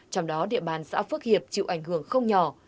trong đó địa bàn xã phước hiệp chịu ảnh hưởng không nhỏ